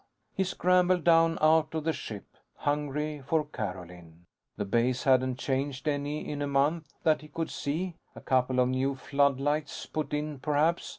He scrambled down out of the ship, hungry for Carolyn. The base hadn't changed any in a month, that he could see. A couple of new floodlights put in, perhaps.